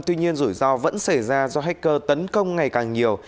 tuy nhiên rủi ro vẫn xảy ra do hacker tấn công ngày càng nhiều